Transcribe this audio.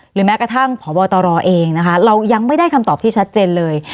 แม้กระทั่งพบตรเองนะคะเรายังไม่ได้คำตอบที่ชัดเจนเลย